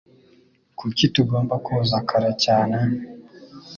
Kuki tugomba kuza kare cyane?